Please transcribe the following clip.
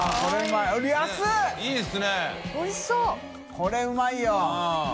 これうまいよ。